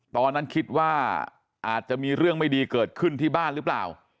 ตอนนั้นคิดว่าอาจจะมีเรื่องไม่ดีเกิดขึ้นที่บ้านหรือเปล่า